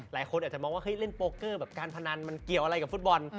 หลายคนอาจจะมองว่าเฮ้ยเล่นโปรเกอร์แบบการพนันมันเกี่ยวอะไรกับฟุตบอล